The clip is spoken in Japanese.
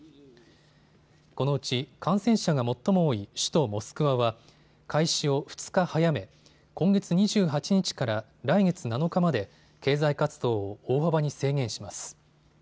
このうち感染者が最も多い首都モスクワは開始を２日早め今月２８日から来月７日まで経済活動を大幅に制限します。